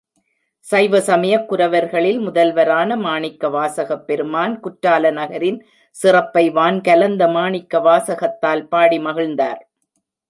சைவ சமய குரவர்களில் முதல்வரான மணிவாசகப் பெருமான் குற்றால நகரின் சிறப்பை வான்கலந்த மாணிக்கவாசகத்தால் பாடி மகிழ்ந்தார்.